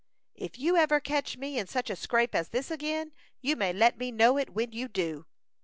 "If you ever catch me in such a scrape as this again, you may let me know it when you do."